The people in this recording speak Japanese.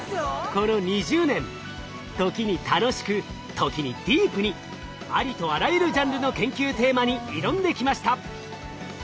この２０年時に楽しく時にディープにありとあらゆるジャンルの研究テーマに挑んできました。